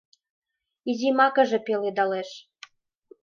Изи макыже пеледалеш